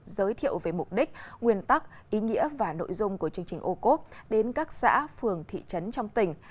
giới thiệu về mục đích nguyên tắc ý nghĩa và nội dung của chương trình ô cốp đến các xã phường thị trấn trong tỉnh